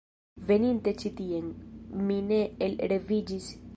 Veninte ĉi tien, mi ne elreviĝis.